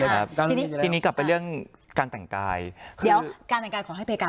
แล้วทีนี้ทีนี้กลับไปเรื่องการแต่งกายเดี๋ยวการแต่งกายขอให้เพกา